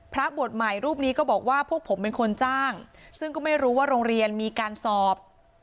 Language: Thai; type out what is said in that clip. พระบวชใหม่รูปนี้ก็บอกว่าพวกผมเป็นคนจ้างซึ่งก็ไม่รู้ว่าโรงเรียนมีการสอบ